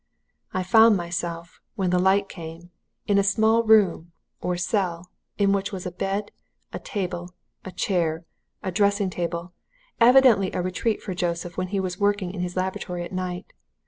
"I found myself when the light came in a small room, or cell, in which was a bed, a table, a chair, a dressing table, evidently a retreat for Joseph when he was working in his laboratory at night.